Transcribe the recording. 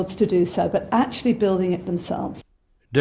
tapi sebenarnya membangunnya sendiri